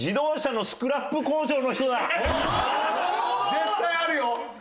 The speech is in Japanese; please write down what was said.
絶対あるよ！